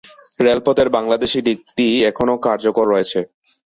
রেলপথের বাংলাদেশী দিকটি এখনও কার্যকর রয়েছে।